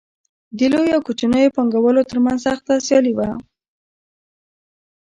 د لویو او کوچنیو پانګوالو ترمنځ سخته سیالي وه